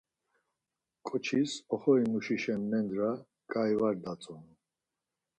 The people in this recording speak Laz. Ǩoçis oxori muşişen mendra ǩai var atzonu.